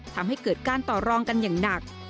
ทำให้เกิดการต่อรองกันอย่างหนัก